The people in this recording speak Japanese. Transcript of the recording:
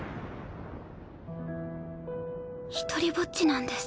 独りぼっちなんです。